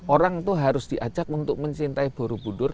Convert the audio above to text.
orang itu harus diajak untuk mencintai buru budur